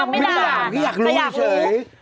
ต้องไม่ด่าไม่อยากรู้เฉย